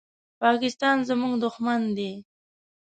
پاکستان زمونږ دوښمن دی